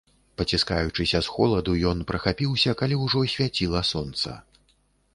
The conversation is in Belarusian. Паціскаючыся з холаду, ён прахапіўся, калі ўжо свяціла сонца.